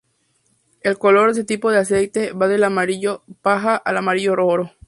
El color de este tipo de aceite va del amarillo paja al amarillo oro.